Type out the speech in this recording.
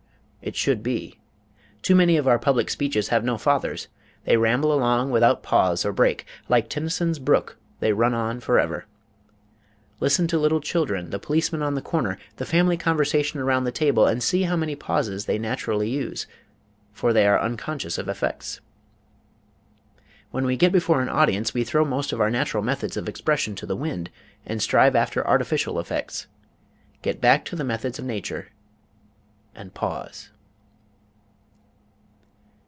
It should be. Too many of our public speeches have no fathers. They ramble along without pause or break. Like Tennyson's brook, they run on forever. Listen to little children, the policeman on the corner, the family conversation around the table, and see how many pauses they naturally use, for they are unconscious of effects. When we get before an audience, we throw most of our natural methods of expression to the wind, and strive after artificial effects. Get back to the methods of nature and pause.